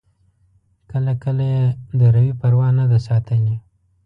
کله کله یې د روي پروا نه ده ساتلې.